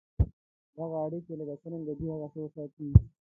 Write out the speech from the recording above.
دغه اړیکي لکه څرنګه دي هغسې وساتې.